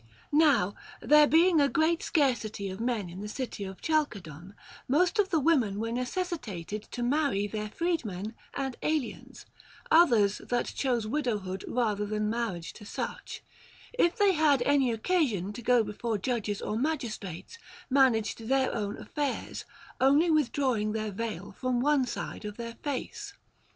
Now, there being a great scarcity of men in the city of Chalcedon, most of the women were necessitated to marry their freed men and aliens ; others that chose widowhood rather than marriage to such, if they had any occasion to go before judges or magistrates, managed their own affairs, only withdrawing their veil from one side of their face.